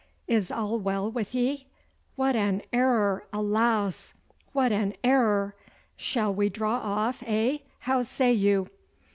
Is all well with ye? What an error, alas! what an error! Shall we draw off, eh? How say you?